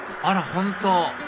あら本当！